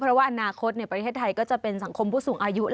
เพราะว่าอนาคตประเทศไทยก็จะเป็นสังคมผู้สูงอายุ